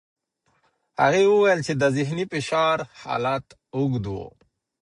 هغې وویل چې د ذهني فشار حالت اوږد و.